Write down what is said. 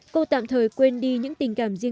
cô tạm thời quên đi